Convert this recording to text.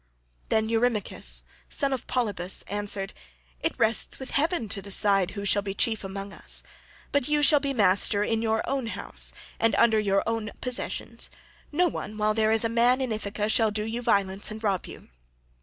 Then Eurymachus, son of Polybus, answered, "It rests with heaven to decide who shall be chief among us, but you shall be master in your own house and over your own possessions; no one while there is a man in Ithaca shall do you violence nor rob you.